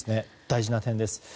大事な点です。